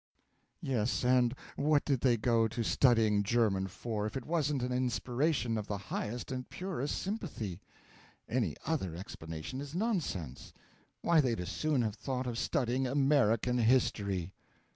Yes, and what did they go to studying German for, if it wasn't an inspiration of the highest and purest sympathy? Any other explanation is nonsense why, they'd as soon have thought of studying American history.